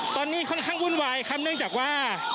ตอนนี้ค่อนข้างวุ่นวายครับเนื่องจากว่า